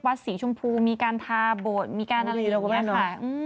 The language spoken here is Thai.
วัดสีชมพูมีการท้าโบสธ์มีการอะไรอย่างนี้ค่ะ